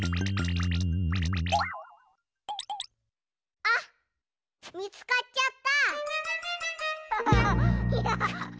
あっみつかっちゃった！